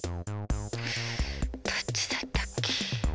どっちだったっけ。